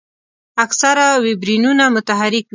اکثره ویبریونونه متحرک وي.